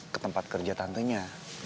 ke tempat kerja tantenya